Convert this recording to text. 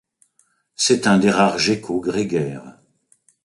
C'est un des rares geckos grégaires.